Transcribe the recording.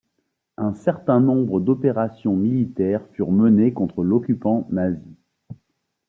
Un certain nombre d'opérations militaires furent menées contre l'occupant nazi.